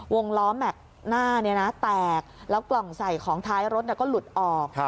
ล้อแม็กซ์หน้าแตกแล้วกล่องใส่ของท้ายรถก็หลุดออก